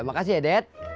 makasih ya dad